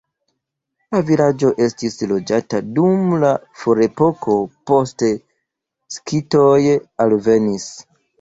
La vilaĝo estis loĝata dum la ferepoko, poste skitoj alvenis.